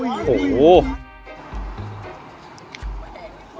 เฮ้ยมันพันกันเองตบอยู่ไหมพี่มีกาลแล้วอ่ะ